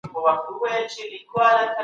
دا کار به اقتصادي بحران رامنځته کړي.